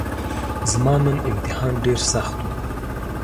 زما نن امتحان ډیرسخت وو